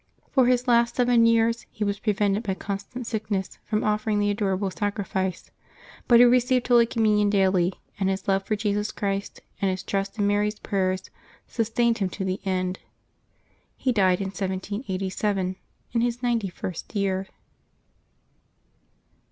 For his last seven years he was prevented by constant sickness from offering the Adorable Sacrifice ; but he received Holy Com munion daily, and his love for Jesus Christ and his trust in Mary's prayers sustained him to the end. He died in 1787, in his ninety first year.